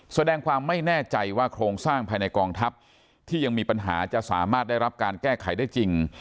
แสดงความไม่แน่ใจว่าโครงสร้างภายในกองทัพที่ยังมีปัญหาจะสามารถได้รับการแก้ไขได้จริง